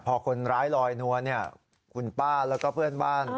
พอคนร้ายลอยนวลคุณป้าแล้วก็เพื่อนบ้าน